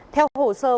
theo hồ sơ của